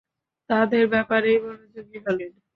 তাদের ব্যাপারেই মনোেযোগী হলেন।